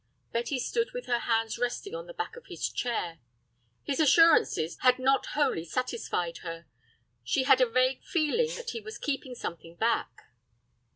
Betty stood with her hands resting on the back of his chair. His assurances had not wholly satisfied her. She had a vague feeling that he was keeping something back.